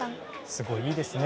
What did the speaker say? すごいいいですね。